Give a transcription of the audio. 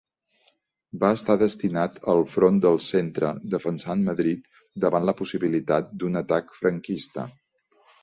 Va estar destinat al Front del Centre, defensant Madrid davant la possibilitat d'un atac franquista.